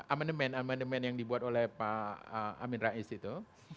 amandemen amendement yang dibuat oleh pak amin rais itu